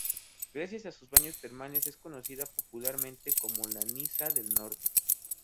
Gracias a sus baños termales es conocida popularmente como “La Niza del Norte“.